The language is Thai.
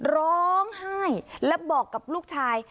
ร้องไห้และบอกกับลูกชาย